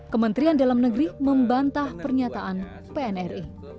kementerian dalam negeri membantah pernyataan pnri